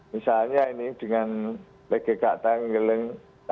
misalnya ini dengan lege kak tanggeleng